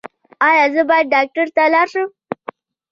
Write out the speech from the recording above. ایا زه باید ډاکټر ته لاړ شم؟